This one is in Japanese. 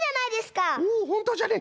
おおほんとじゃね。